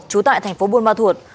trú tại thành phố buôn ma thuột